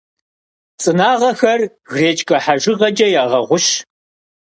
Цӏынагъэхэр гречкэ хьэжыгъэкӏэ ягъэгъущ.